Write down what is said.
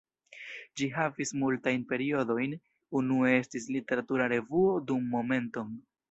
Ĝi havis multajn periodojn, unue estis literatura revuo dum Momenton!